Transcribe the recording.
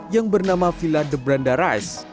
yang bernama villa de branda reis